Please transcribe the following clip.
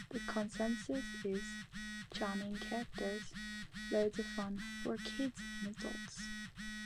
The consensus is: Charming characters; loads of fun for kids and adults.